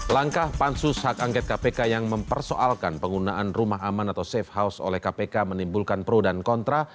langkah pansus hak angket kpk yang mempersoalkan penggunaan rumah aman atau safe house oleh kpk menimbulkan pro dan kontra